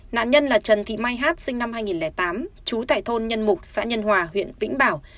nạn nhân là trần thị mai hát sinh năm hai nghìn tám trú tại thôn nhân mục xã nhân hòa huyện vĩnh bảo